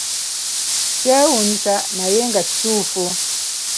Kyewunyisa naye nga kituufu!